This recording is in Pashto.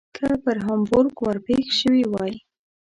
که پر هامبورګ ور پیښ شوي وای.